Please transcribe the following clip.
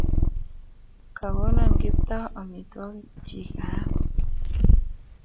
Kogono Kiptoo amitwogik chik aam.